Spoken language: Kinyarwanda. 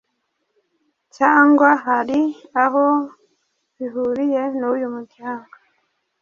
Cyangwa hari aho bihuriye n’uyu muryango